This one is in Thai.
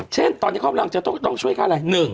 เช่นตอนนี้เขากำลังจะต้องช่วยค่าอะไร